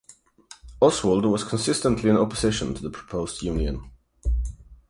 Oswald was consistently in opposition to the proposed union.